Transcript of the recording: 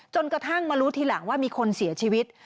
กระทั่งมารู้ทีหลังว่ามีคนเสียชีวิต